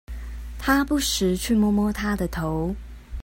他不時去摸摸她的頭